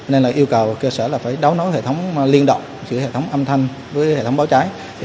nên là yêu cầu cơ sở là phải đấu nối hệ thống liên động giữa hệ thống âm thanh với hệ thống báo cháy